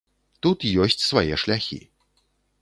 Тут ёсць свае шляхі.